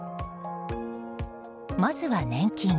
まずは年金。